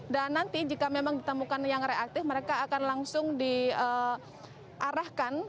dan nanti jika memang ditemukan yang reaktif mereka akan langsung diarahkan